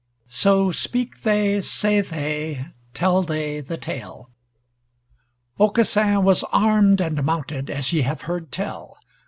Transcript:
So speak they, say they, tell they the Tale: Aucassin was armed and mounted as ye have heard tell.